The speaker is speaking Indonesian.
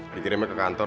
dikirimnya ke kantor